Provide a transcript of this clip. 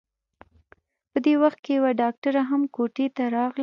په دې وخت کې يوه ډاکټره هم کوټې ته راغله.